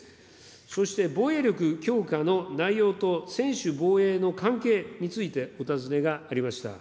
そして防衛力強化の内容と専守防衛の関係についてお尋ねがありました。